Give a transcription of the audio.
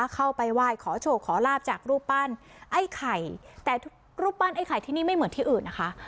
เข้าไปไหว้ขอโชคขอลาบจากรูปปั้นไอ้ไข่แต่ทุกรูปปั้นไอ้ไข่ที่นี่ไม่เหมือนที่อื่นนะคะ